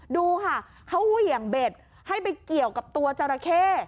ดูค่ะเขาเหวี่ยงเบ็ดให้ไปเกี่ยวกับตัวจราเข้